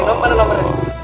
gak apa apa katanya pak ji